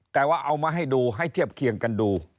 แต่ว่าเอามาให้ดูให้เทียบเคียงกันดู